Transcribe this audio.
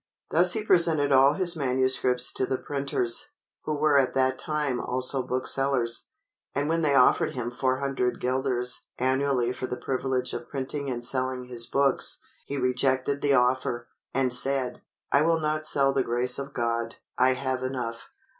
Thus he presented all his manuscripts to the printers, who were at that time also booksellers, and when they offered him 400 guilders annually for the privilege of printing and selling his books, he rejected the offer, and said, "I will not sell the grace of God. I have enough."